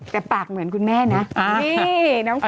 แต่ปากเหมือนคุณแม่นะ